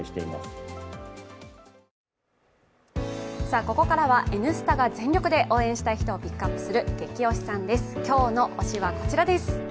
ここからは「Ｎスタ」が全力で応援したい人をピックアップするゲキ推しさん、今日の推しは、こちらです。